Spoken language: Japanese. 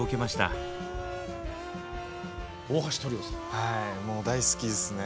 はいもう大好きですね。